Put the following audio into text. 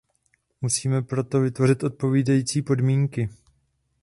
Musíme pro to vytvořit odpovídající podmínky.